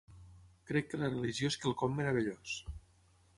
Crec que la religió és quelcom meravellós.